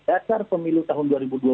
dasar pemilu tahun dua ribu dua puluh